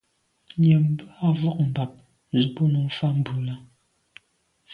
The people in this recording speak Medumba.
Nyəèm bə́ â mvɔ̂k mbàp zə̄ bú nǔ fá mbrʉ́ lɑ́.